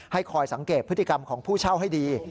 คอยสังเกตพฤติกรรมของผู้เช่าให้ดี